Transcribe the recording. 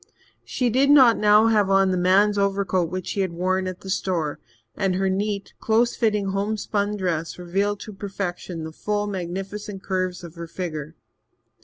She did not now have on the man's overcoat which she had worn at the store, and her neat, close fitting home spun dress revealed to perfection the full, magnificent curves of her figure.